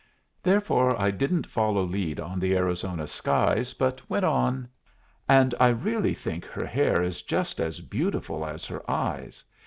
Therefore I didn't follow lead on the Arizona skies, but went on, "And I really think her hair is just as beautiful as her eyes.